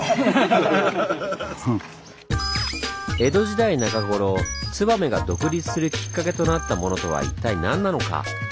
江戸時代中頃燕が独立するきっかけとなったものとは一体何なのか？